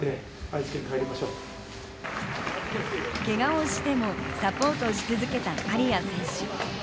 けがをしてもサポートし続けた苅谷選手。